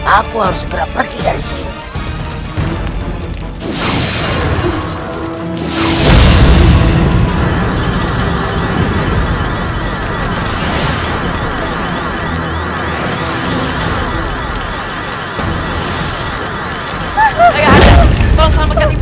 aku harus segera pergi ke sini